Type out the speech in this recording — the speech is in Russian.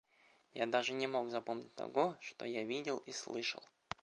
Я даже не мог запомнить того, что я видел и слышал.